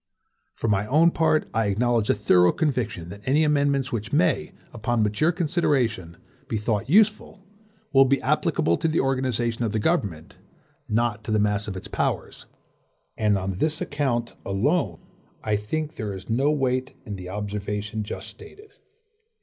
For my own part I acknowledge a thorough conviction that any amendments which may, upon mature consideration, be thought useful, will be applicable to the organization of the government, not to the mass of its powers; and on this account alone, I think there is no weight in the observation just stated.